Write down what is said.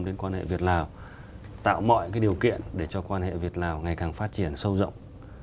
đến quan hệ việt lào tạo mọi điều kiện để cho quan hệ việt lào ngày càng phát triển sâu rộng